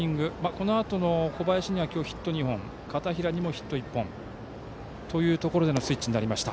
このあと小林にヒット１本片平にもヒット１本というところでのスイッチになりました。